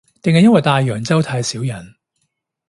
定係因為大洋洲太少人